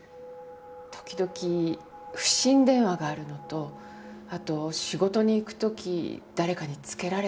時々不審電話があるのとあと仕事に行く時誰かにつけられてるような感じが。